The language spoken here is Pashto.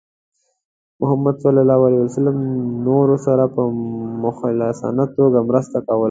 محمد صلى الله عليه وسلم د نورو سره په مخلصانه توګه مرسته کوله.